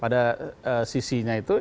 pada sisinya itu